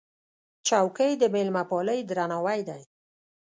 چوکۍ د مېلمهپالۍ درناوی دی.